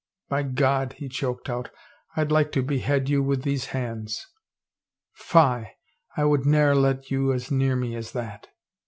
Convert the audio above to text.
" By God !" he choked out, " I'd like to behead you with these hands 1 "" Fie ! I would ne'er let you as near me as that."